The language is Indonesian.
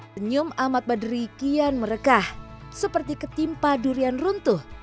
senyum amat badri kian merekah seperti ketimpa durian runtuh